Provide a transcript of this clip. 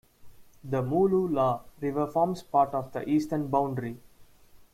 The Mooloolah River forms part of the eastern boundary.